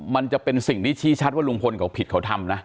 มันจะเป็นสิ่งที่ชี้ชัดว่าลุงพลเขาผิดเขาทำนะ